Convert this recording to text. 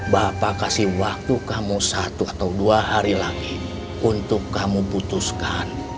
bapak kasih waktu kamu satu atau dua hari lagi untuk kamu putuskan